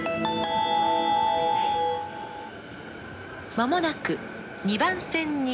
「まもなく２番線に」。